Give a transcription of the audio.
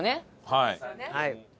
はい。